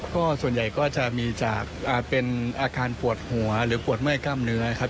ก็ส่วนใหญ่ก็จะมีจากเป็นอาการปวดหัวหรือปวดเมื่อยกล้ามเนื้อครับ